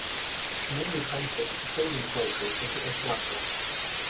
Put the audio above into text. She mainly translated Estonian poetry into Esperanto.